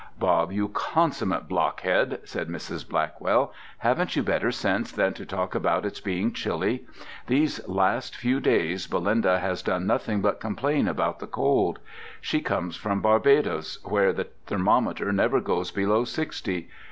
"Bob, you consummate blockhead!" said Mrs. Blackwell, "haven't you better sense than to talk about its being chilly? These last few days Belinda has done nothing but complain about the cold. She comes from Barbados, where the thermometer never goes below sixty.